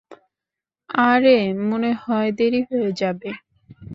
আরে-- মনে হয়, দেরি হয়ে যাবে।